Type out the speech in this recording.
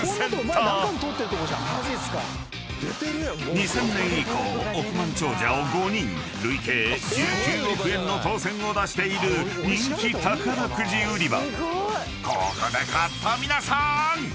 ［２０００年以降億万長者を５人累計１９億円の当せんを出している人気宝くじ売り場］